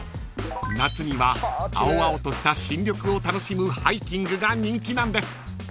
［夏には青々とした新緑を楽しむハイキングが人気なんです］